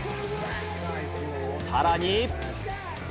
さらに。